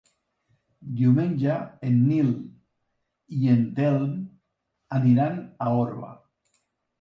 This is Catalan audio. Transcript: Diumenge en Nil i en Telm aniran a Orba.